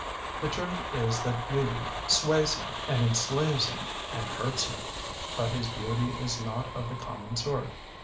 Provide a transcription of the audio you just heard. The truth is that beauty sways him and enslaves him and hurts him. But his beauty is not of the common sort.